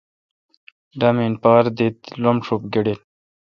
ڈامین پار داتے°لب ݭب گڑیل۔